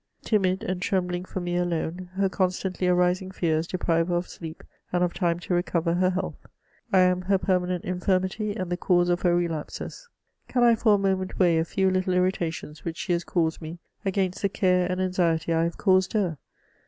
Timid and trembling for me 312 MEMOIRS OF alone, her constantly arising fears deprive her of sleep, and of time to recover her health ; I am her permanent infirmity, and the cause of her relapses. Can I for a moment weigh a few little irritations which she has caused me against the care and anxiety i have caused her